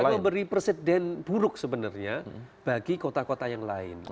ini memberi presiden buruk sebenarnya bagi kota kota yang lain